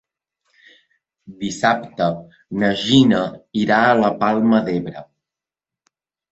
Dissabte na Gina irà a la Palma d'Ebre.